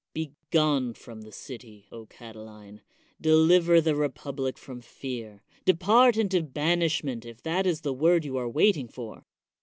Be gone from the city, Catiline; deliver the republic from fear ; depart into banishment, if that is the word you are waiting for.